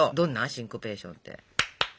シンコペーションって？